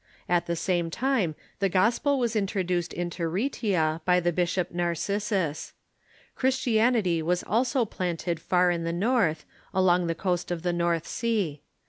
At the same time the gospel was introduced into Rhastia by the bishop Narcissus. Christianity Avas also planted far in the North, along the coast of the North Sea.